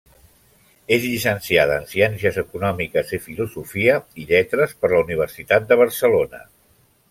És llicenciada en Ciències Econòmiques i Filosofia i Lletres per la Universitat de Barcelona.